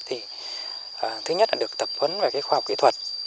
thì thứ nhất là được tập huấn về cái khoa học kỹ thuật